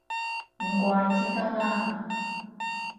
唔怪之得啦